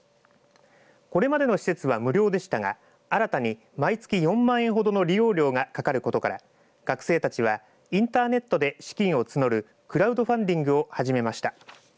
これまでの施設は無料でしたが新たに毎月４万円ほどの利用料がかかることから学生たちはインターネットで資金を募るクラウドファンディングを始めました。